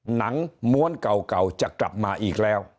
หนังม้วนเก่าจะกลับมาอีกแล้ว